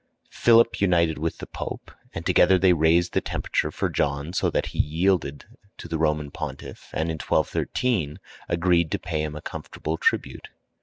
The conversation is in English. Philip united with the Pope, and together they raised the temperature for John so that he yielded to the Roman pontiff, and in 1213 agreed to pay him a comfortable tribute.